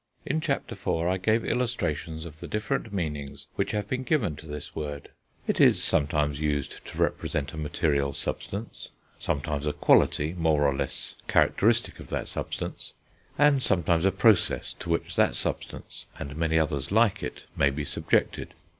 In Chapter IV., I gave illustrations of the different meanings which have been given to this word; it is sometimes used to represent a material substance, sometimes a quality more or less characteristic of that substance, and sometimes a process to which that substance, and many others like it, may be subjected.